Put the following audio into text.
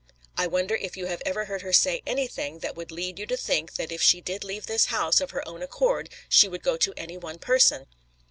I wondered if you have ever heard her say anything that would lead you to think that if she did leave this house of her own accord, she would go to any one person?"